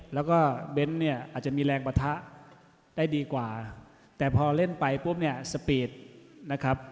แล้วก็เบ้นเนี่ยอาจจะมีแรงปะทะได้ดีกว่าแต่พอเล่นไปปุ๊บเนี่ยสปีดนะครับ